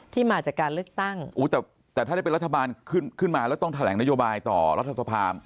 มาจากการเลือกตั้งแต่ถ้าได้เป็นรัฐบาลขึ้นมาแล้วต้องแถลงนโยบายต่อรัฐสภา